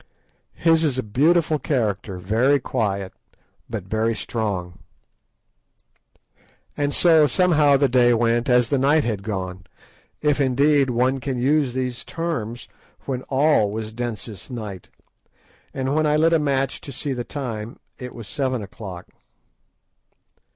His is a beautiful character, very quiet, but very strong. And so somehow the day went as the night had gone, if, indeed, one can use these terms where all was densest night, and when I lit a match to see the time it was seven o'clock.